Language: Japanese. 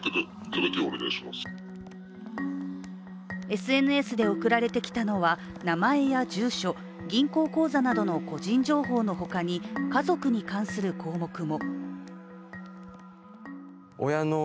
ＳＮＳで送られてきたのは、名前や住所、銀行口座などの個人情報のほかに家族に関する項目も。